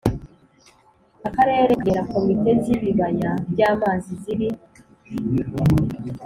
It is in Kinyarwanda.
Akarere kagenera Komite z ibibaya by amazi ziri